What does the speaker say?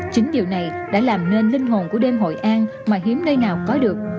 chính điều này đã làm nên linh hồn của đêm hội an mà hiếm nơi nào có được